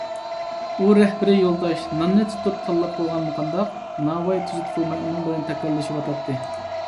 ئۇ رەھبىرىي يولداش ناننى تۇتۇپ تاللاپ قويغانمۇ قانداق، ناۋاي تۈزۈت قىلماي ئۇنىڭ بىلەن تاكاللىشىۋاتاتتى.